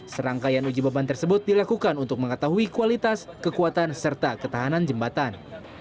serangkaian uji beban tersebut dilakukan untuk mengetahui kualitas kekuatan serta ketahanan jembatan